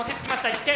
１点。